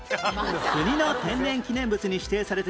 国の天然記念物に指定されている